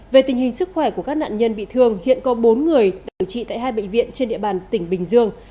về tình hình sức khỏe của các nạn nhân bị thương hiện có bốn người điều trị tại hai bệnh viện trên địa bàn tỉnh bình dương